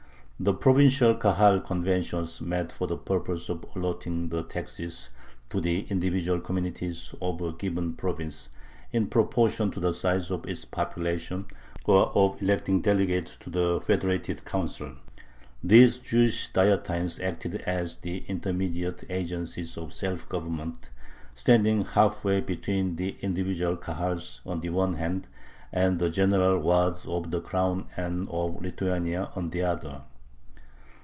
The provincial Kahal conventions met for the purpose of allotting the taxes to the individual communities of a given province, in proportion to the size of its population, or of electing delegates to the federated Council. These Jewish Dietines acted as the intermediate agencies of self government, standing half way between the individual Kahals on the one hand and the general Waads of the Crown and of Lithuania on the other.